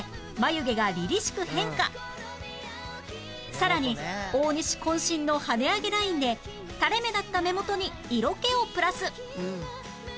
さらに大西渾身の跳ね上げラインで垂れ目だった目元に色気をプラス